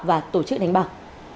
và tổ chức đánh bạc